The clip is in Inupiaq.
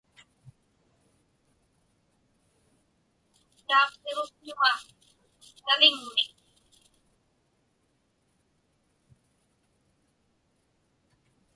Tauqsiġuktuŋa saviŋmik.